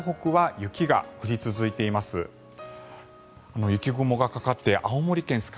雪雲がかかって青森県酸ケ